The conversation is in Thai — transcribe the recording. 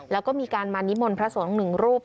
แล้วก็มีการมานิมนต์พระสงฆ์หนึ่งรูป